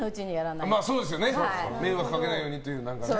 迷惑かけないようにっていうね。